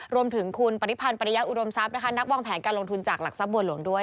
รวมถึงคุณปริพันธ์ปริยะอุดมทรัพย์นะคะนักวางแผนการลงทุนจากหลักทรัพย์บัวหลวงด้วย